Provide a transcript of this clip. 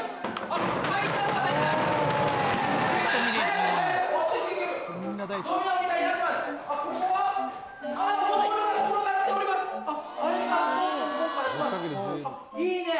あっいいね！